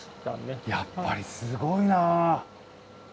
やっぱりすごいな。